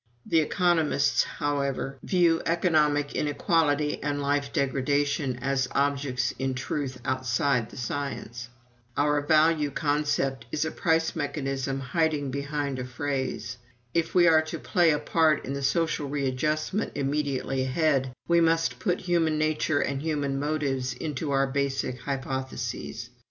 The economists, however, view economic inequality and life degradation as objects in truth outside the science. Our value concept is a price mechanism hiding behind a phrase. If we are to play a part in the social readjustment immediately ahead, we must put human nature and human motives into our basic hypotheses.